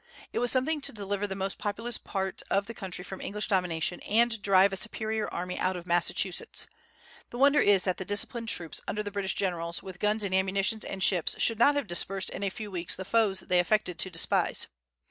It was something to deliver the most populous part of the country from English domination and drive a superior army out of Massachusetts. The wonder is that the disciplined troops under the British generals, with guns and ammunition and ships, should not have dispersed in a few weeks the foes they affected to despise.